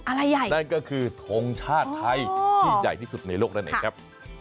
อะไรใหญ่นั่นก็คือทงชาติไทยที่ใหญ่ที่สุดในโลกนั่นเองครับ